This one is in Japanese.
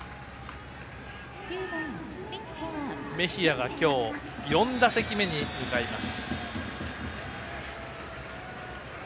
メヒアが今日４打席目に向かいます。